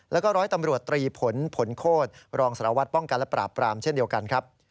และก็๑๐๐ตำรวจตรีผนผลโคทรรองสลวัตรป้องกะละปราปรามเช่นเดียวกันครับ